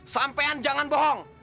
sampean jangan bohong